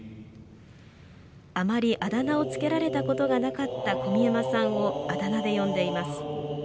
あまり、あだ名をつけられたことがなかった小宮山さんをあだ名で呼んでいます。